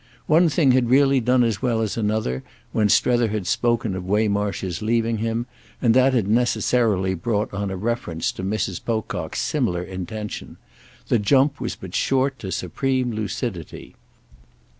One thing had really done as well as another; when Strether had spoken of Waymarsh's leaving him, and that had necessarily brought on a reference to Mrs. Pocock's similar intention, the jump was but short to supreme lucidity.